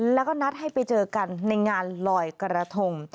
แล้วก็นัดให้ไปเจอกันในงานลอยกระทง